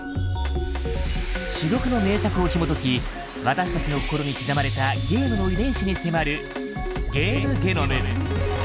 珠玉の名作をひもとき私たちの心に刻まれたゲームの遺伝子に迫る